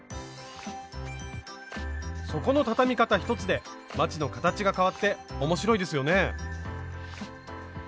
底の畳み方一つでまちの形がかわって面白いですよね。